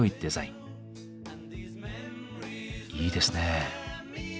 いいですね。